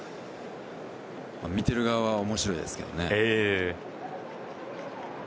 見ている側は面白いですけどね。